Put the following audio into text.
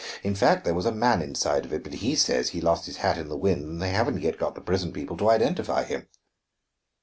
In fact, there was a man inside of it; but he says he lost his hat in the wind, and they haven't yet got the prison people to identify him."